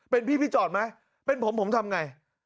เป็นพี่พี่จอดไหมเป็นผมผมทำไง